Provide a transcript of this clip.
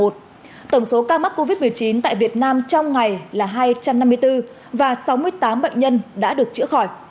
tổng số ca mắc covid một mươi chín tại việt nam trong ngày là hai trăm năm mươi bốn và sáu mươi tám bệnh nhân